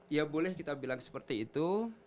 ya boleh kita bilang seperti itu